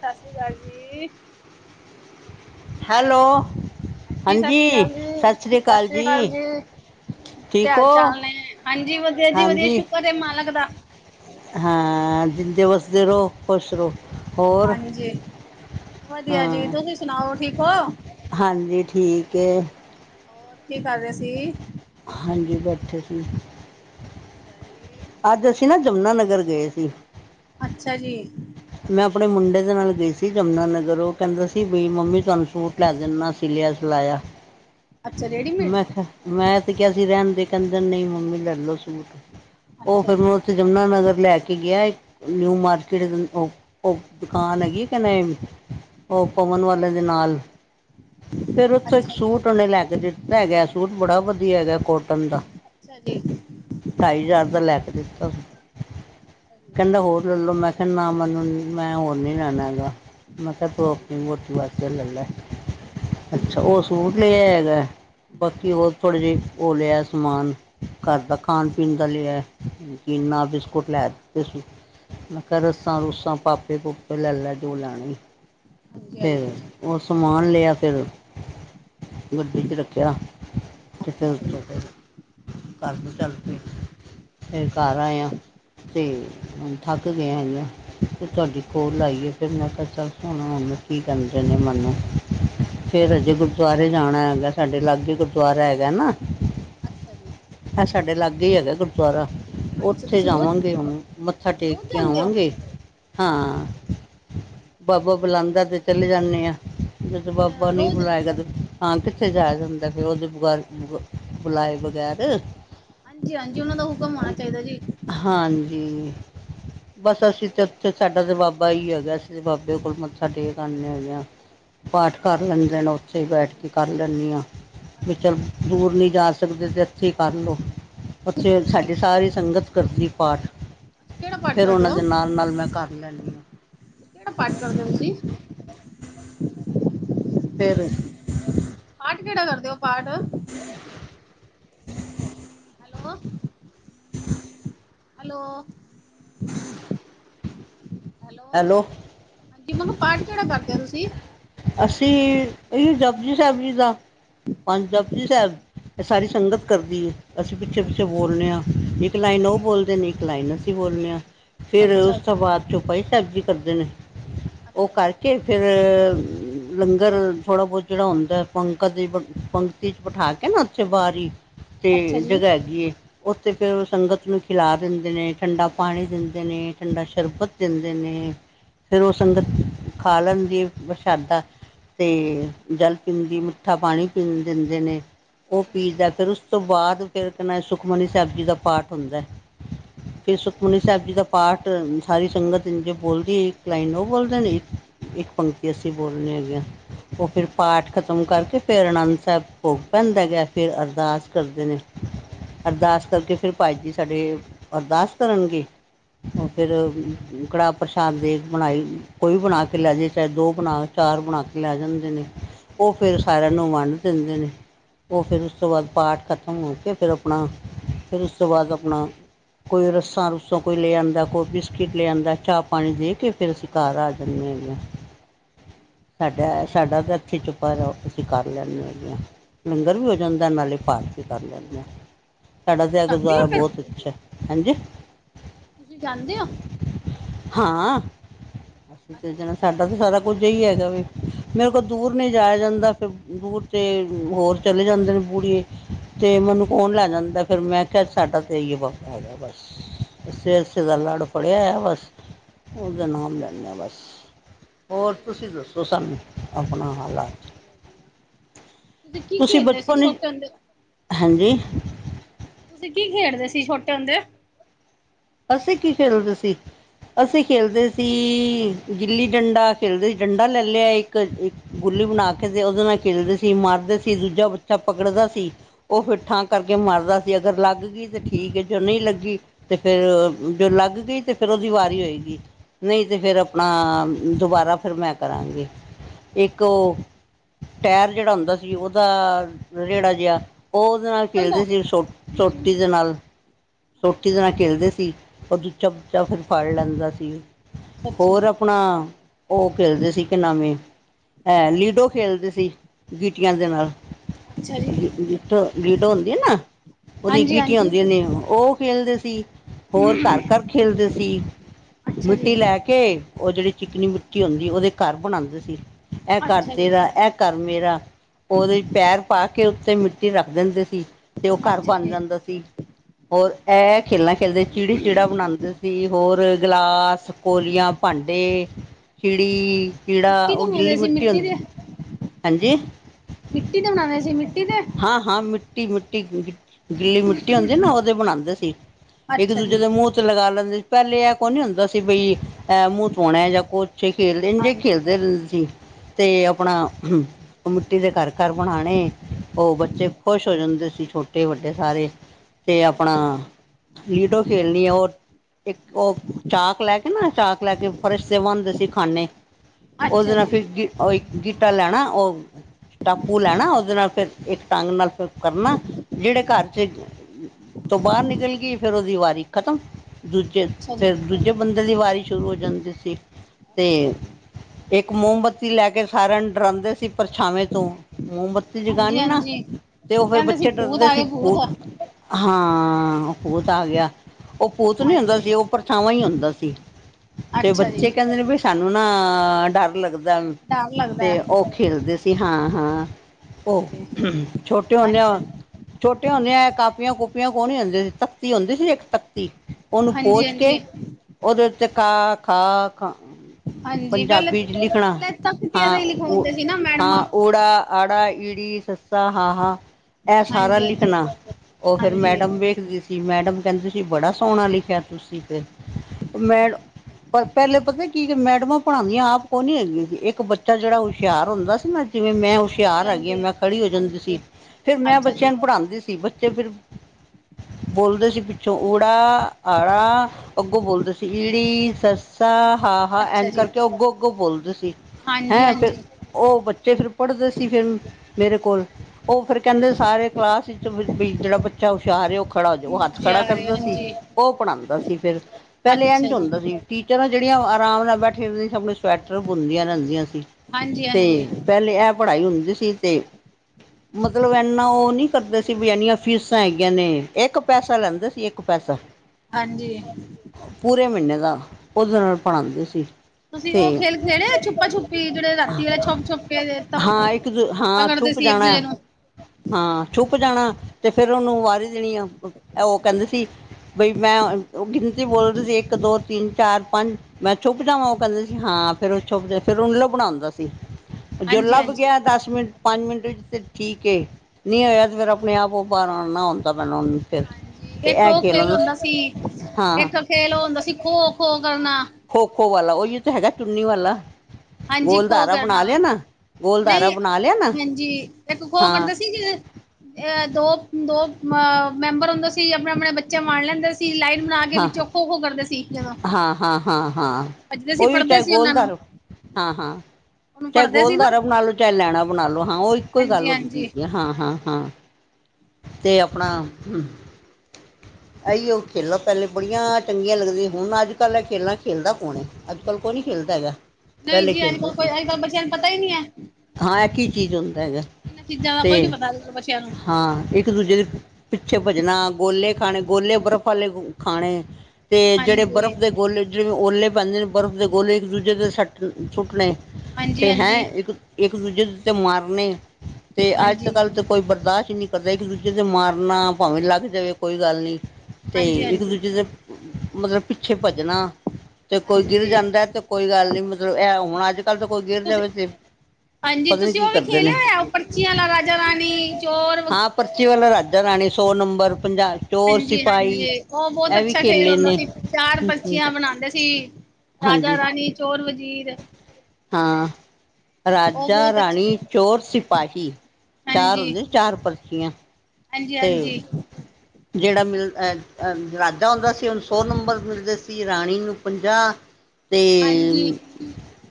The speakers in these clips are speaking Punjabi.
ਸਤਿ ਸ੍ਰੀ ਅਕਾਲ ਜੀ ਹੈਲੋ ਹਾਂਜੀ ਸਤਿ ਸ੍ਰੀ ਅਕਾਲ ਜੀ ਸਤਿ ਸ਼੍ਰੀ ਅਕਾਲ ਜੀ ਕੀ ਠੀਕ ਹੋ ਹਾਲ ਚਾਲ ਨੇ ਹਾਂਜੀ ਵਧੀਆ ਜੀ ਵਧੀਆ ਹਾਂਜੀ ਸ਼ੁਕਰ ਮਾਲਕ ਦਾ ਹਾਂ ਜਿੰਦੇ ਵਸਦੇ ਰਹੋ ਖੁਸ਼ ਰਹੋ ਹੋਰ ਹਾਂਜੀ ਵਧੀਆ ਜੀ ਹਾਂ ਤੁਸੀਂ ਸੁਣਾਓ ਠੀਕ ਹੋ ਹਾਂਜੀ ਠੀਕ ਹੋਰ ਕੀ ਕਰ ਰਹੇ ਸੀ [inaudible] ਅੱਛਾ ਜੀ ਅੱਜ ਅਸੀਂ ਨਾ ਯਮੁਨਾ ਨਗਰ ਗਏ ਸੀ ਅੱਛਾ ਜੀ ਮੈਂ ਆਪਣੇ ਮੁੰਡੇ ਨਾਲ ਗਈ ਸੀ ਯਮੁਨਾ ਨਗਰ ਉਹ ਕਹਿੰਦਾ ਸੀ ਅੱਛਾ ਬਈ ਜੀ, ਮੰਮੀ ਤੁਹਾਨੂੰ ਸੂਟ ਲਾ ਦਿੰਨਾ ਸੀ ਲਿਆ ਸਿਲਾਇਆ ਅੱਛਾ ਰੇਡੀਮੇਡ ਮੈਂ ਮੈਂ ਕਿਹਾ ਸੀ ਰਹਿਣ ਦੇ ਕਹਿੰਦੇ ਨਹੀਂ ਮੰਮੀ ਲੈ ਲਓ ਸੂਟ ਉਹ ਅੱਛਾ ਫੇਰ ਜੀ, ਮੈਂ ਉੱਥੇ ਜਮੁਨਾ ਨਗਰ ਲੈ ਕੇ ਕੇ ਗਿਆ ਨਿਊ ਮਾਰਕੀਟ ਉਹ ਉਹ ਦੁਕਾਨ ਹੈਗੀ ਕਹਨ ਉਹ ਪਵਨ ਵਾਲੇ ਦੇ ਨਾਲ ਫੇਰ ਉੱਥੋਂ ਇੱਕ ਅੱਛਾ ਜੀ, ਸੂਟ ਉਹਨੇ ਲੈ ਕੇ ਦਿੱਤਾ ਹੈਗਾ ਸੂਟ ਬੜਾ ਵਧੀਆ ਹੈਗਾ ਕੋਟ ਅੱਛਾ ਜੀ। ਢਾਈ ਹਜ਼ਾਰ ਦਾ ਲੈ ਕੇ ਦਿੱਤਾ ਅੱਛਾ ਜੀ, ਕਹਿੰਦਾ ਹੋਰ ਲੈਲੋ ਮੈਂ ਕਿਹਾ ਨਾ ਮੈਨੂੰ ਮੈਂ ਹੋਰ ਨੀ ਲੈਣਾ ਹੈਗਾ ਮੈਂ ਕਿਹਾ ਤੂੰ ਅੱਛਾ ਜੀ, ਅੱਛਾ ਜੀ। ਆਪਣੀ ਵੋਟੀ ਵਾਸਤੇ ਲੈ ਲੈ ਅੱਛਾ ਉਹ ਸੂਟ ਲਿਆ ਹੈਗਾ ਬਾਕੀ ਹੋਰ ਥੋੜੇ ਜਿਹੇ ਉਹ ਲਿਆ ਸਮਾਨ ਘਰ ਦਾ ਖਾਣ ਪੀਣ ਦਾ ਲਿਆ ਜਨਾ ਅੱਛਾ ਬਿਸਕੁਟ ਲੈ ਦਿੱ ਦ ਮੈਂ ਕਿਹਾ ਰੱਸਾਂ ਜੀ, ਰੁੱਸਾਂ ਪੁੱਪ ਲੈ ਲੈ ਜੋ ਲੈਣੇ ਫੇਰ ਹਾਂਜੀ-ਹਾਂਜੀ ਉਹ ਸਮਾਨ ਲਿਆ ਫਿਰ ਗੱਡੀ ਚ ਰੱਖਿਆ ਅਤੇ ਫਿਰ ਅੱਛਾ ਜੀ, ਨੂੰ ਚੱਲ ਪਏ ਫਿਰ ਘਰ ਹਾਂਜੀ, ਆਏਆ ਤੇ ਥੱਕ ਗਏ ਇਾਂ ਅਤੇ ਅੱਛਾ ਤੁਹਾਡੀ ਜੀ। ਕੋਲ ਲਾਈਏ ਫਿਰ ਮੈਂ ਕਿਹਾ ਚਾ ਸੁਣ ਮਨੂੰ ਕੀ ਕਹਿੰਦੇ ਨੇ ਮੈਨੂੰ ਫੇਰ ਹਾਂਜੀ ਅਜੇ ਹਾਂਜੀ ਗੁਰਦੁਆਰੇ ਜਾਣਾ ਹੈਗਾ ਸਾਡੇ ਲਾਗੇ ਹੀ ਗੁਰਦੁਆਰਾ ਹੈਗਾ ਨਾ ਅੱਛਾ ਜੀ ਹੈ ਸਾਡੇ ਲਾਗੇ ਹੀ ਹੈਗਾ ਗੁਰਦੁਆਰਾ ਅੱਛਾ ਉੱਥੇ ਤੁਸੀਂ ਰੋਜ਼ ਜਾਵਾਂਗੇ ਉਹ ਮੱਥਾ ਅੱਛਾ ਟੇਕ ਰੋਜ਼ ਕੇ ਜਾਂਦੇ ਹੋ ਆਵਾਂਗੇ ਹਾਂ ਬਾਬਾ ਨਹੀਂ ਬੁਲਾਂਦਾ ਤੇ ਚਲੇ ਜਾਂਦੇ ਆਾਂ ਜਦੋਂ ਬਾਬਾ ਅੱਛਾ ਨਹੀਂ ਰੋਜ਼ ਬੁਲਾਇਏਗਾ ਹਾਂ ਕਿੱਥੇ ਜਾਇਆ ਜਾਂਦਾ ਫਿਰ ਉਹਦੇ ਬੁਗਾਰੀ ਬੁਲਾਏ ਅੱਛਾ ਜੀ ਬਗੈਰ ਹਾਂਜੀ ਹਾਂਜੀ ਉਹਨਾਂ ਦਾ ਹੁਕਮ ਹੋਣਾ ਚਾਹੀਦਾ ਜੀ ਹਾਂਜੀ ਬਸ ਅਸੀਂ ਚ ਸਾਡਾ ਤੇ ਬਾਬਾ ਹੀ ਹੈਗਾ ਅਸੀਂ ਤੇ ਬਾਬੇ ਕੋਲ ਮੱਥਾ ਟੇਕ ਆਉਂਦੇ ਹ ਹੈਗੇ ਹਾਂ ਪਾਠ ਕਰ ਅੱਛਾ ਜੀ ਲੈਂਦੇ ਨੇ ਉੱਥੇ ਹੀ ਬੈਠ ਕੇ ਕਰ ਲੈਂਦੀ ਹਾਂ ਅੱਛਾ ਵਿਚਲ ਜੀ ਦੂਰ ਨੀ ਜਾ ਸਕਦੇ ਜ ਅੱਥੇ ਕਰ ਲਓ ਤੁਸੀਂ ਉੱਥੇ ਸਾਡੀ ਸਾਰੀ ਸੰਗਤ ਕਰਦੀ ਪਾਠ ਕਿਹੜਾ ਪਾਠ ਫਿਰ ਕਰਦੇ ਉਹਨਾਂ ਹੋ ਦੇ ਨਾਲ ਨਾਲ ਮੈਂ ਕਰ ਲੈਂਦੀ ਹਾਂ ਕਿਹੜਾ ਪਾਠ ਕਰਦੇ ਹੋ ਤੁਸੀਂ ਫਰ ਪਾਠ ਕਿਹੜਾ ਕਰਦੇ ਹੋ ਪਾਠ [inaudible] ਹੈਲੋ ਹੈਲੋ ਹੈਲੋ ਹੈਲੋ ਹਾਂਜੀ ਮ ਕਿਹਾ ਪਾਠ ਕਿਹੜਾ ਕਰਦੇ ਹੋ ਤੁਸੀਂ ਅਸੀਂ, ਇਹੀ ਜਪਜੀ ਸਾਹਿਬ ਜੀ ਦਾ। ਹ ਜਪਜੀ ਸਾਹਿਬ ਇਹ ਸਾਰੀ ਸੰਗਤ ਕਰਦੀ ਹੈਏ। ਅਸੀਂ ਪਿੱਛੇ- ਪਿੱਛੇ ਅੱਛਾ ਬੋਲਦੇ ਹਾਂ। ਇੱਕ ਲਾਈਨ ਉਹ ਅੱਛਾ ਜੀ ਬੋਲਦੇ ਨੇ, ਇੱਕ ਲਾਈਨ ਅਸੀਂ ਬੋਲ ਬੋਲਿਆ ਫੇਰ ਅੱਛਾ ਅੱਛਾ ਉਸ ਤੋਂ ਜੀ ਬਾਅਦ ਚੋਂਪਾਈ ਸਾਹਿਬ। ਕਰਦੇ ਨੇ ਉਹ ਅੱਛਾ ਜੀ ਕਰਕੇ ਫੇਰ, ਲੰਗਰ, ਥੋੜ੍ਹਾ ਬਹੁਤ ਜਿਹੜਾ ਹੁੰਦਾ ਪੰਗਤ- ਪੰਕਤੀ ਚ ਬਿਠਾ ਕੇ ਨਾ, ਉੱਥੇ ਬਾਹਾਰੀ ਅੱਛਾ ਤੇ ਜੀ ਜਗਾ ਹੇਗੀਏ। ਉੱਥੇ ਫਿਰ ਉਹ ਸੰਗਤ ਨੂੰ ਖਿਲਾ ਦਿੰਦੇ ਨੇ, ਠੰਡਾ ਪਾਣੀ ਦਿੰਦੇ ਨੇ, ਠੰਡਾ ਸ਼ਰਬਤ ਦਿੰਦੇ ਨੇ। ਹ ਫਿਰ ਉਹ ਸੰਗਤ ਖਾ ਲੈਣ ਦੀ ਪ੍ਰਸ਼ਾਦਾ। ਤੇ ਅੱਛਾ ਜੀ ਜਲ ਪੀਣ ਦੀ ਮਿੱਠਾ ਪਾਣੀ ਪੀਣ ਦਿੰਦੇ ਨੇ। ਉਹ ਪੀਂ ਹਾਂਜੀ ਦਾ ਫਿਰ ਉਸ ਤੋਂ ਬਾਅਦ ਫੇਰ ਕਹਿੰ ਸੁਖਮਨੀ ਸਾਹਿਬ ਜੀ ਦਾ ਪਾਠ ਹੁੰਦਾ ਹੈ। ਫੇਰ ਸੁਖਮਨੀ ਸਾਹਿਬ ਜੀ ਦਾ ਪਾਠ ਸਾਰੀ ਸੰਗਤ ਜੇ ਬੋਲਦੀ ਇਕ ਲਾਇਨ ਉਹ ਬੋਲਦੇ ਨੇ, ਇੱਕ ਪੰਕ ਅਸੀਂ ਬੋਲਣੇ ਹੈਗੇ ਹਾਂ। ਉਹ ਫਿਰ ਅੱਛਾ ਜੀ ਪਾਠ ਖਤਮ ਕਰਕੇ ਫੇਰ ਆਨੰਦ ਸਾਹਿਬ ਭੋਗ ਪੈਂਦਾ ਗਿਆ। ਫਿਰ ਅੱਛਾ ਅਰਦਾਸ ਜੀ, ਕਰਦੇ ਨੇ। ਅਰਦਾਸ ਕਰਕੇ ਫਿਰ ਭਾਈ ਜੀ ਸਾਡੇ ਅਰਦਾਸ ਕਰਨਗੇ। ਉਹ ਫੇਰ ਕੜਾਹ ਪ੍ਰਸ਼ਾਦ ਦੇਗ ਬਣਾਈ। ਕੋਈ ਵੀ ਬਣਾ ਕੇ ਲੈ ਜੇ ਚਾਹੇ ਦੋ ਬਣਾ ਚਾਰ ਬਣਾ ਕੇ ਲੈ ਜਾਂਦੇ ਨੇ। ਹਾਂਜੀ ਉਹ ਫਿਰ ਹਾਂਜੀ ਸਾਰਿਆਂ ਨੂੰ ਮੰੰਨ ਦਿੰਦੇ ਨੇ। ਉਹ ਅੱਛਾ ਫਿਰ ਉਸ ਜੀ ਤੋਂ ਬਾਅਦ ਚਲੋ ਪਾਠ ਖ਼ਤਮ ਹੋ ਕੇ ਫੇਰ ਆਪਣਾ, ਫਿਰ ਉਸ ਤੋਂ ਬਾਅਦ ਆਪਣਾ ਕੋਈ ਰੱਸਾਂ- ਰੁਸਾਂ ਕੋਈ ਲੈ ਆਂਉਦਾ। ਕੋਈ ਬਿਸਕਿਟ ਲੈ ਆਂਉਦਾ, ਚਾਹ ਪਾਣੀ ਦੇ ਕੇ ਫੇਰ ਅਸੀਂ ਘਰ ਆ ਜਾਂਦੇ ਹਾਂ। ਠੀਕ ਹੈ। ਹ [inaudible] ਸਾਡਾ- ਸਾਡਾ ਵੀ ਇਥੇ ਚੁੱਪਹਿਰਾ ਅਸੀਂ ਕਰ ਲੈਦੇ ਹੋਗੇ। ਲੰਗਰ ਵੀ ਹੋ ਜਾਂਦਾ ਨਾਲੇ ਪਾਠ ਕਰ ਲੈਂਦੇ ਹਾਂ, ਸਾਡਾ ਤੇ ਤੁਸੀਂ ਏ ਜਾਂਦੇ ਹੋ ਗੁਰਦੁਆਰਾ ਫਿਰ ਬਹੁਤ ਅੱਛਾ। ਹਾਂਜੀ। ਤੁਸੀਂ ਜਾਂਦੇ ਹੋ? ਹਾਂ। ਅਸੀਂ ਤੇ ਜਾਣਾ, ਅੱਛਾ ਜੀ ਸਾਡਾ ਤੇ ਸਾਰਾ ਕੁੱਝ ਅਈ ਹੈਗਾ ਵੇ। ਮੇਰੇ ਕੋਲ ਦੂਰ ਨਹੀਂ ਜਾਇਆ ਜਾਂਦਾ। ਫਿਰ ਦੂਰ ਤੇ ਹੋਰ ਚਲੇ ਜਾਂਦੇ ਨੇ ਬੂੜੀਏ ਤੇ ਮੈਨੂੰ ਹਾਂਜੀ ਕੌਣ ਲੈ ਜਾਂਦਾ? ਫਿਰ, ਮੈਂ ਕਿਹਾ ਆ ਸਾਡਾ ਤੇ ਇਈਏ ਬਸ। ਹੈਗਾ ਬਸ ਅਸੀਂ ਅੱਛਾ ਤੇ ਜੀ ਏਸੇ ਦਾ ਲੜ ਫੜਿਆ ਹੈ। ਬਸ, ਉਹਦਾ ਹਾਂਜੀ ਨਾਮ ਲੈਦੇ ਆਂ ਬਸ। ਹੋਰ ਸਹੀ ਹੈ ਜੀ ਤੁਸੀਂ ਸਹੀ ਹੈ, ਦੱਸੋ ਸਾਨੂੰ ਆਪਣਾ ਹਾਲਾਤ? ਤੁਸੀ ਕੀ ਤੁਸੀਂ ਖੇਲਦੇ ਸੀ ਬਚਪਨ ਵਿੱਚ ਛੋਟੇ ਹੁੰਦੇ। ਹਾਂਜੀ। ਤੁਸੀਂ ਕੀ ਖੇਡਦੇ ਸੀ ਛੋਟੇ ਹੁੰਦੇ? ਅਸੀਂ ਕੀ ਖੇਲਦੇ ਸੀ? ਅਸੀਂ ਹਾਂਜੀ ਖੇਲਦੇ ਸੀ, ਗਿੱਲੀ ਡੰਡਾ ਖੇਲਦੇ ਸੀ। ਡੰਡਾ ਲੈ ਲਿਆ ਇਕ, ਇੱਕ ਗੁੱਲ ਬਣਾ ਕੇ ਤੇ ਉਹਦੇ ਨਾਲ ਖੇਲਦੇ ਸੀ, ਮਾਰਦੇ ਸੀ। ਦੂਜਾ ਬੱਚਾ ਪਕੜਦਾ ਸੀ, ਉਹ ਫਿਰ ਅੱਛਾ ਠਾਂ ਕਰਕੇ ਮਾਰ ਕਰਦਾ ਸੀ। ਅਗਰ ਲੱਗ ਗਈ ਤੇ ਠੀਕ ਹੈ, ਜੋ ਨਹੀਂ ਲੱਗੀ ਤੇ ਫਿਰ ਜੋ ਲੱਗ ਗਈ ਤਾਂ ਫਿਰ ਉਹਦੀ ਵਾਰੀ ਹੋਏਗੀ, ਨਹੀਂ ਤਾਂ ਫਿਰ ਅੱਛਾ ਜੀ ਆਪਣਾ ਦੁਬਾਰਾ ਫਿਰ ਮੈਂ ਕਰਾਂਗੀ। ਇੱਕ ਅੱਛਾ ਉਹ ਜੀ ਟਾਇਰ ਜਿਹੜਾ ਹੁੰਦਾ ਸੀ ਉਹਦਾ ਰੇੜਾ ਜਿਹਾ ਉਹਦੇ ਨਾਲ ਸਾਈਕਲ ਦਾ ਖੇਡਦੇ ਸੀ ਸੋਟੀ ਦੇ ਨਾਲ। ਅੱਛਾ ਛੋਟੀ ਦੇ ਜੀ ਨਾਲ ਖੇਲਦੇ ਸੀ। ਉਹ ਦੂਜਾ ਬੱਚਾ ਫਿਰ ਫੜ ਲੈਂਦਾ ਸੀ। ਅੱਛਾ ਅੱਛਾ ਹੋਰ ਜੀ ਆਪਣਾ, ਉਹ ਖੇਲਦੇ ਸੀ ਕਿ ਨਾਵੇਂ ਏ ਲੀਡੋ ਖੇਲਦੇ ਸੀ ਗੀਟੀਆਂ ਦੇ ਅੱਛਾ ਜੀ ਨਾਲ ਅੱਛਾ ਜੀ ਜਿੱਥੋਂ ਗੀਟੋ ਹੁੰਦੀ ਹੈ ਨਾ, ਉਹਦੀ ਹਾਂਜੀ ਗੀਟੀਆਂ ਹਾਂਜੀ ਹੁੰਦੀਆਂ ਨੇ, ਉਹ ਖੇਲਦੇ ਹੋਰ ਘਰ-ਘਰ ਖੇਲਦੇ ਸੀ। ਅੱਛਾ ਮਿੱਟੀ ਜੀ ਲੈ ਕੇ ਉਹ ਜਿਹੜੀ ਚਿਕਨੀ ਮਿੱਟੀ ਹੁੰਦੀ ਉਹਦੇ ਘਰ ਬਣਾਉਂਦੇ ਸੀ। ਇਹ ਘਰ ਅੱਛਾ ਜੀ ਤੇਰਾ, ਇਹ ਘਰ ਮੇਰਾ। ਉਹਦੇ ਚ ਪੈਰ ਪਾ ਕੇ, ਉੱਤੇ ਮਿੱਟੀ ਰੱਖ ਦਿੰਦੇ ਸੀ। ਤੇ ਉਹ ਘਰ ਅੱਛਾ ਬਣ ਜੀ ਜਾਂਦਾ ਸੀ। ਹੋਰ ਇਹ ਖੇਲਣਾ ਖੇਲਦੇ ਸੀ। ਚਿੜੀ-ਚਿੜਾ ਬਣਾਉਂਦੇ ਸੀ। ਹੋਰ ਗਿਲਾਸ ਸਕੋਲੀਆਂ, ਭਾਂਡੇ, ਚਿੜੀ ਕੀੜਾ। ਮਿੱਟੀ ਦੇ ਉਹ ਗਿੱਲੀ ਬਣਾਉਂਦੇ ਸੀ ਮਿੱਟੀ ਦੇ ਹੁੰਦੀ। ਹਾਂਜੀ ਮਿੱਟੀ ਦੇ ਬਣਾਉਂਦੇ ਸੀ ਮਿੱਟੀ ਦੇ ਹਾਂ-ਹਾਂ। ਮਿੱਟੀ-ਮਿੱਟੀ। ਗਿੱਲੀ ਮਿੱਟੀ ਹੁੰਦੀ ਨਾ ਉਹਦੇ ਬਣਾਉਂਦੇ ਸੀ। ਇੱਕ ਅੱਛਾ ਦੂਜੇ ਜੀ ਦੇ ਮੂੰਹ ਤੇ ਲਗਾ ਲੈਂਦੇ ਪਹਿਲੇ ਇਹ ਕੋ ਨੀ ਹੁੰਦਾ ਸੀ ਬਈ ਏ ਮੂੰਹ ਧਉਣਾ ਜਾਂ ਕੁਛ, ਖੇਲ ਇੰਜੇ ਹਾਂਜੀ ਖੇਲਦੇ ਰਹਿੰਦੇ ਸੀ। ਤੇ ਅੱਛਾ ਆਪਣਾ ਹਮ- ਮਿੱਟੀ ਦੇ ਘਰ-ਘਰ ਬਣਾਉਣ ਉਹ ਬੱਚੇ ਖੁਸ਼ ਹੋ ਜਾਂਦੇ ਸੀ ਛੋਟੇ ਵੱਡੇ ਸਾਰੇ। ਤੇ ਆਪਣਾ ਹਾਂਜੀ ਲੀਡੋ ਖੇਲਣੀਆ। ਉਹ ਇੱਕ ਉਹ ਚਾਕ ਲੈ ਕੇ ਨਾ ਚਾਕ ਲੈ ਕੇ ਫਰਸ਼ ਤੇ ਬਣਦੇ ਸੀ ਖਾਂੇ। ਉਹਦੇ ਅੱਛਾ ਨਾਲ ਜੀ ਫ ਗਿੱਟਾ ਲੈਣਾ। ਉਹ ਸਟੈਪੂ ਲੈਣਾ, ਉਹਦੇ ਨਾਲ ਫਿਰ ਇੱਕ ਢੰਗ ਨਾਲ ਕਰਨਾ। ਜਿਹੜੇ ਘਰ ਚ ਤੋਂ ਬਾਹਰ ਨਿਕਲ ਗਈ ਫਿਰ ਉਹਦੀ ਵਾਰੀ ਖ਼ਤਮ। ਦੂਜੇ, ਅੱਛਾ ਜੀ ਫਿਰ ਦੂਜੇ ਬੰਦੇ ਦੀ ਵਾਰੀ ਸ਼ੁਰੂ ਹੋ ਜਾਂਦੀ ਸੀ। ਤੇ ਇੱਕ ਇੱਕ ਮੋਮਬੱਤੀ ਲੈ ਕੇ ਸਾਰਿਆਂ ਨੂੰ ਡਰਾਉਂਦੇ ਸੀ, ਪਰਛਾਵੇਂ ਤੋਂ। ਮੋਮਬੱਤੀ ਹਾਂਜੀ ਨੀ-ਨਾ। ਹਾਂਜੀ ਤੇ ਉਹ ਫਿਰ ਕਹਿੰਦੇ ਸੀ ਬੱਚੇ ਭੂਤ ਡਰਦੇ ਆ ਸੀ ਗਏ ਭੂਤ ਹਾਂ। ਉਹ ਤਾਂ ਆ ਗਿਆ ਉਹ ਭੂਤ ਨੀ ਹੁੰਦਾ ਹਾਂਜੀ ਸੀ। ਉਹ ਪਰਛਾਵਾਂ ਹੀ ਹੁੰਦਾ ਸੀ, ਤੇ ਅੱਛਾ ਜੀ ਬੱਚੇ ਕਹਿੰਦੇ ਨੇ ਵੀ ਸਾਨ ਨੂੰ ਨਾ ਡਰ ਲੱਗਦਾ। ਡਰ ਲੱਗਦਾ ਤੇ ਹੈ ਉਹ ਖੇਲਦੇ ਸੀ, ਹਾਂ-ਹਾਂ। ਅੱਛਾ ਉਹ। ਜੀ ਛੋਟੇ ਅੱਛਾ ਹੁੰਦੇਆ ਜੀ ਛੋਟੇ ਹੁੰਦੇ ਆ ਕਾਪੀਆਂ-ਕੁੱਪੀਆਂ ਕੌਣ ਹੀ ਹੁੰਦੇ ਸੀ। ਤਾਂ ਤਖਤੀ ਹੁੰਦੀ ਸੀ ਇੱਕ ਤਖਤੀ। ਉਹਨੂੰ ਹਾਂਜੀ ਪੋਚ ਕੇ ਹਾਂਜੀ ਉਹਦੇ ਉੱਤੇ ਕ, ਖ, ਗ ਹਾਂਜੀ ਪਹਿਲੇ ਪੰਜਾਬੀ ਚ ਲਿਖਣਾ- ਪਹਿਲੇ ਤਖ਼ਤੀਆਂ ਦਾ ਹਾਂ। ਹੀ ਉਹ ਲਿਖਵਾਉਂਦੇ ਸੀ ਨਾ ਮੈਡਮਾਂ ਹਾਂ ਓੜਾ ਆੜਾ, ਈੜੀ, ਸੱਸਾ, ਹਾ -ਹਾ। ਇਹ ਸਾਰਾ ਹਾਂਜੀ ਹਾਂਜੀ ਲਿਖਣਾ, ਉਹ ਫਿਰ ਹਾਂਜੀ ਮੈਡਮ ਵੇਖਦੀ ਸੀ। ਅਤੇ ਮੈਡਮ ਕਹਿੰਦੇ ਸੀ ਬੜਾ ਸੋਹਣਾ ਲਿਖਿਆ ਤੁਸੀਂ ਤੇ ਮੈਂ ਪਹਿਲੇ ਪ ਕੀ ਮੈਡਮਾਂ ਪੜਾਂਦੀਆਂ ਆਪ ਕੋੌ ਨੀ ਹੈਗੀਆਂ ਸੀ ਇੱਕ ਬੱਚਾ ਜਿਹੜਾ ਹੁਸ਼ਿਆਰ ਹੁੰਦਾ ਸੀ ਮ ਜਿਵੇਂ ਮੈਂ ਹਾਂਜੀ ਹੁਸ਼ਿਆਰ ਆ ਗ ਹਾਂਜੀ ਮੈਂ ਖੜੀ ਹੋ ਜਾਂਦੀ ਸੀ ਹਾਂਜੀ ਫਿਰ ਮੈਂ ਅੱਛਾ ਬੱਚਿਆਂ ਜੀ ਨੂੰ ਪੜ੍ਹਾਉਂਦੀ ਸੀ ਬੱਚੇ ਫਿਰ ਬੋਲਦੇ ਸੀ ਪਿੱਛੋਂ ੜਾ ਆੜ ਅੱਗੋਂ ਬੋਲਦੇ ਸੀ ਈੜੀ ਸ ਸ ਹ ਹਾਂ ਇਂਝ ਅੱਛਾ ਜੀ ਕਰਕੇ ਉਹ ਅੱਗੋਂ ਅੱਗੋਂ ਬੋਲਦੇ ਸੀ ਹੈਂ ਫਿਰ ਹਾਂਜੀ-ਹਾਂਜੀ, ਉਹ ਬੱਚ ਤੇ ਫਿਰ ਪੜਦੇ ਸੀ ਫਿਰ ਮੇਰੇ ਕੋਲ ਉਹ ਫਿਰ ਕਹਿੰਦੇ ਸਾਰੇ ਕਲਾਸ ਵਿੱਚ ਜਿਹੜਾ ਬੱਚਾ ਹੁਸ਼ਿਆਾਰ ਉਹ ਖੜਾ ਹੋ ਜਾਵੇ ਉਹ ਹੱਥ ਜੀ ਆ ਖੜਾ ਰਹੇ ਕਰਦਾ ਸੀ ਹਾਂਜੀ, ਉਹ ਪੜਾਉਂਦਾ ਸੀ ਫਿਰ ਪਹਿਲੇ ਅੱਛਾ ਇੰਝ ਜੀ। ਹੁੰਦਾ ਸੀ ਟੀਚਰਾਂ ਜਿਹੜੀਆਂ ਆਰਾਮ ਨਾਲ ਬੈਠੇ ਰਦੀਆਂ ਸਣੇ ਸਵੈਟਰ ਬੁਣਦੀਆਂ ਰਹਿੰਦੀਆਂ ਸੀ ਤੇ ਹਾਂਜੀ-ਹਾਂਜੀ, ਹਾਂਜੀ। ਪਹਿਲੇ ਇਹ ਪੜ੍ਹਾਈ ਹੁੰਦੀ ਸੀ ਤੇ [inaudible] ਮਤਲਬ ਇਨਾ ਉਹ ਨਹੀਂ ਕਰਦੇ ਸੀ ਵੀ ਇਨੀਆਂ ਫੀਸਾਂ ਹੈਗੀਆਂ ਨੇ ਇੱਕ ਪੈਸਾ ਲੈਂਦੇ ਸੀ ਇੱਕ ਪੈਸਾ ਹਾਂਜੀ ਆਉਂਦੇ ਨਾਲ ਪਣਾਉਂਦੇ ਸੀ ਤੁਸੀਂ ਉਹ ਤੇ ਖੇਲ ਖੇਡੇ ੁੱਪਾ ਛੁੱਪੀ ਜਿਹੜੇ ਰਾਤੀ ਵਾਲੇੇ ਛੁੱਪ ਛੁਪੇ ਹਾਂ ਇੱਕ ਦ ਹਾਂ ੁੱਪ ਜਾਣਾ ਆ ਹਾਂ ਛੁੱਪ ਜਾਣਾ ਣਾ ਤੇ ਫਿਰ ਉਹਨੂੰ ਵਾਹਾਰੀ ਦੇਣੀ ਆ ਉਹ ਕਹਿੰਦੇ ਸੀ ਬਈ ਮੈਂ ਉਹ ਗਿਣਤੀ ਬੋਲਦੀ ਸੀ ਇੱਕ ਦੋ ਤਿੰਨ ਚਾਰ ਪੰਜ ਮੈਂ ਛੁੱਪ ਜਾਵਾਂ ਉਹ ਕਹਿੰਦੇ ਸੀ ਹਾਂ ਫਿਰ ਛੁੱਪਦੇ ਫਿਰ ਹਾਂਜੀ-ਹਾਂਜੀ, ਉਨਲਾ ਬਣਾਉਂਦਾ ਸੀ ਜੋੁ ਲੱਭ ਹਾਂਜੀ। ਹਾਂਜੀ ਗਿਆ ਦਸ ਮਿੰਟ ਪੰਜ ਮਿੰਟ ਵਿੱਚ ਤੇ ਠੀਕ ਏ ਨਹੀਂ ਹੋਇਆ ਤੇ ਫਿਰ ਆਪਣੇ ਆਪ ਉਹ ਬਾਹਰ ਆਉਨਾ ਆਉਂਦਾ ਹਾਂਜੀ ਇੱਕ ਉਹ ਖੇਲ ਹੁੰਦਾ ਸੀ ਹਾਂ ਇੱਕ ਖੇਲ ਉਹ ਹੁੰਦਾ ਸੀ ਖੋ ਖੋ ਕਰਨਾ ਖੋ ਖੋ ਵਾਲਾ ਉਹੀ ਤਾਂ ਹੈਗਾ ਚੁੰਨੀ ਵਾਲਾ ਹਾਂਜੀ ਗੋਲ ਖੋ ਧਾਰਾ ਕਰਨਾ ਬਣਾ ਲਿਆ ਨਾ ਗੋਲ ਨਹੀਂ ਧਾਰਾ ਬਣਾ ਲਿਆ ਨਾ ਹਾਂਜੀ ਇੱਕ ਉਹੋ ਹਾਂ ਕਰਦਾ ਸੀ ਜ ਅਹ ਦੋ ਦੋ ਅ ਮੈਂਬਰ ਹੁੰਦਾ ਸੀ ਆਪਣਾ ਆਪਣਾ ਬੱਚਾ ਮਾਣ ਲੈਂਦਾ ਸੀ ਲਾਈਨ ਬਣਾ ਕੇ ਹਾਂ ਵਿੱਚੋਂ ਖੋ ਖੋ ਕਰਦੇ ਸੀ ਜਦੋਂ ਹਾਂ ਹਾਂ ਹਾਂ ਹਾਂ ਅੱਜਦੇ ਸੀ ਉਹੀ ਫੜ੍ਹਦੇ ਚਾਹੇ ਸੀ ਗੋਲ ਉਹਨਾਂ ਨੂੰ ਧਾਰਾ ਹਾਂ ਹਾਂ ਉਹਨੂੰ ਚਾਹੇ ਫੜਦੇ ਸੀ ਨਾ ਗੋਲਦਾਰਾ ਬਣਾ ਲੋ ਚਾਹੇ ਲੈਣਾ ਬਣਾ ਲੋ ਹਾਂ ਉਹ ਇੱਕੋ ਹੀ ਹਾਂਜੀ ਗੱਲ ਹਾਂਜੀ ਹੁੰਦੀ ਹੈ ਹਾਂ ਹਾਂ ਹਾਂਜੀ ਹਾਂ ਤੇ ਆਪਣਾ ਹ ਅਈ ਉਹ ਖੇਲਾਂ ਪਹਿਲੇ ਬੜੀਆਂ ਚੰਗੀਆਂ ਲੱਗਦੀਆਂ ਹੁਣ ਅੱਜ ਕੱਲ੍ਹ ਇਹ ਖੇਲਾਂ ਖੇਲਦਾ ਕਣ ਅੱਜ ਕੱਲ ਕੋਈ ਨੀ ਹਾਂਜੀ ਹਾਂਜੀ ਖੇਲਦਾ ਹੈਗਾ ਨਹੀਂ ਪਹਿਲੇ ਜੀ ਅੱਜ ਖੇਲਦੇ ਕੱਲ ਕੋਈ ਸੀ ਅੱਜ ਕੱਲ ਬੱਚਿਆਂ ਨੂੰ ਪਤਾ ਹੀ ਨਹੀਂ ਹੈ ਹਾਂ ਐਹ ਆ ਕਿ ਹੈਗਾ ਇਹਨਾਂ ਚੀਜ਼ਾਂ ਦਾ ਕੋਈ ਤੇ ਨੀ ਪਤਾ ਅੱਜ ਕੱਲ ਬੱਚਿਆਂ ਨੂੰ ਹਾਂ ਇੱਕ ਦੂਜੇ ਦੇ ਪਿੱਛੇ ਭੱਜਣਾ ਗੋਲੇ ਖਾਣੇ ਗੋਲੇ ਬਰਫ਼ ਵਾਲੇ ਖਾਣੇ ਤੇ ਜਿਹੜੇ ਹਾਂਜੀ ਬਰਫ਼ ਦੇ ਗੋਲੇ ਜਿ ਓਲੇ ਪੈਂਦੇ ਨੇ ਬਰਫ਼ ਦੇ ਗੋਲੇ ਇੱਕ ਦੂਜੇ ਦੇ ਸੱਟ ਸੁੱਟਣੇ ਹਾਂਜੀ ਤੇ ਹਾਂਜੀ ਹੈਂ ਇੱਕ ਇੱਕ ਦੂਜੇ ਦੇ ਤੇ ਮਾਰਨੇ ਤੇ ਅੱਜ ਤ ਹਾਂਜੀ ਕੱਲ ਤੇ ਕੋਈ ਬਰਦਾਸ਼ਤ ਨੀ ਕਰਦਾ ਇੱਕ ਦੂਜੇ ਤੇ ਮਾਰਨਾ ਭਾਵੇਂ ਲੱਗ ਜਾਵੇ ਕੋਈ ਗੱਲ ਨੀ ਤੇ ਹਾਂਜੀ ਹਾਂਜੀ ਇੱਕ ਹਾਂਜੀ ਦੂਜੇ ਦੇ ਮਤਲਬ ਪਿੱਛੇ ਭੱਜਣਾ ਤੇ ਕੋਈ ਗਿਰ ਜਾਂਦਾ ਤੇ ਕੋਈ ਗੱਲ ਨਹੀਂੀ ਮਤਲਬ ਇਹ ਹੁਣ ਅੱਜ ਕੱਲ੍ਹ ਤਾਂ ਕੋਈ ਗਿਰ ਤੁਸੀਂ ਜਾਵੇ ਸੀ ਹਾਂਜੀ ਤੁਸੀਂ ਉਹ ਵੀ ਖੇਲਿਆ ਹੋਆ ਉਹ ਪਰਚੀਆਂਾ ਰਾਜਾ ਰਾਣੀ ਚੋਰ ਹਾਂ ਪਰਚੀ ਵਾਲਾ ਰਾਜਾ ਰਾਣੀ ਸੌ ਨੰਬਰ ਪੰਜ ਹਾਂਜੀ ਹਾਂਜੀ ਉਹ ਬਹੁਤ ਅੱਛਾ ਖੇਲ ਖੇਲੇ ਹੁੰਦਾ ਨੇ ਸੀ ਚਾਰ ਪਰਚੀਆਂ ਬਣਾਉਂਦੇ ਸੀ ਰਾਜਾ ਹਾਂਜੀ ਰਾਣੀ ਚੋਰ ਵਜ਼ੀਰ ਹਾਂ ਉਹ ਰਾਜਾ ਬਹੁਤ ਅੱਛਾ ਰਾਣੀ ਚੋਰ ਸਿਪਾਹੀ ਚਾਰ ਹਾਂਜੀ ਹੁੰਦੇ ਚਾਰ ਪਰਚੀਆਂ ਹਾਂਜੀ ਤੇ ਹਾਂਜੀ ਜਿਹੜਾ ਮਿਲ ਅ ਅਹ ਰਾਜਾ ਹੁੰਦਾ ਸੀ ਉਹੁਨੂੰ ਸੌ ਨੰਬਰ ਮਿਲਦੇ ਸੀ ਰਾਣੀ ਨੂੰ ਪੰਜਾਹ ਤੇ ਹਾਂਜੀ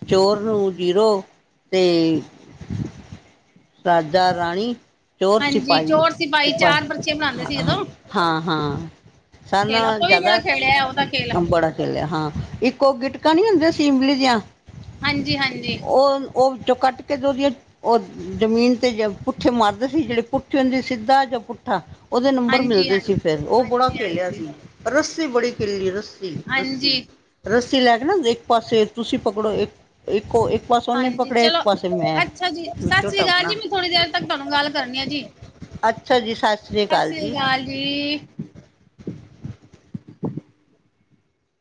ਚੋਰ ਨੂੰ ਜੀਰੋ ਤੇ ਰਾਜਾ ਰਾਣੀ ਚੋਰ ਹਾਂਜੀ ਸਿਪਾਹੀ ਚੋਰ ਸਿਪਾਹੀ ਪਰ ਚਾਰ ਪਰਚੇ ਬਣਾਉਂਦੇ ਹਾਂ ਸੀ ਹਾਂ ਜਦੋਂ ਹਾਂ ਹਾਂ ਉਹ ਖੇਲ ਸਾਨੂੰ ਆਪਾਂ ਵੀ ਬੜਾ ਜ਼ਿਆਦਾ ਖੇਲਿਆ ਉਹਦਾ ਖੇਲ ਬੜਾ ਖੇਲਿਆ ਹਾਂ ਇੱਕੋ ਗਿਟਕਾ ਨੀ ਹੁੰਦੀਆਂ ਸਿੰਿਮਲੀ ਦੀਆਂ ਹਾਂਜੀ ਹਾਂਜੀ ਚੋਂ ਕੱਟ ਕੇ ਦ ਉਹਦੀਆਂ ਉਹ ਜ਼ਮੀਨ ਤੇ ਪੁੱਠੇ ਮਰਦੇ ਸੀ ਜਿਹੜੇ ਪੁੱਠੇ ਹੁੰਦੇ ਸਿੱਧਾ ਜਾਂ ਪੁੱਠਾ ਉਹਦੇ ਨੰਬਰ ਹਾਂਜੀ ਮਿਲਦੇ ਸੀ ਹਾਂਜੀ ਫੇਿਰ ਉਹ ਬੜਾ ਖਲਿਆ ਹਾਂਜੀ ਹਾਂਜੀ ਸੀ ਰੱਸੀ ਬੜੀ ਕਿਲੀ ਰ ੱ ਰੱਸੀ ਹਾਂਜੀ ਰੱਸੀ ਲੈ ਕੇ ਨਾ ਇੱਕ ਪਾਸੇ ਤੁਸੀਂ ਪਕੜੋ ਇੱਕ ਇੱਕੋ ਇੱਕ ਪਾਸ ਉਹਨੇ ਹਾਂਜੀ ਪਕੜਿਆ ਇੱਕ ਚਲੋ ਪਾਸੇ ਮੈਂ ਅੱਛਾ ਜੀ ਸਤਿ ਵਿੱਚੋਂ ਸ੍ਰੀ ਅਕਾਲ ਜੀ ਟੱਪਣਾ ਮੈਂ ਥੋੜ੍ਹੀ ਦੇਰ ਤੱਕ ਤੁਹਾਨੂੰ ਗੱਲ ਕਰਨੀ ਆ ਜੀ ਅੱਛਾ ਜੀ ਸ਼੍ਰੀ ਸਤਿ ਸ੍ਰੀ ਜੀ ਅਕਾਲ ਜੀ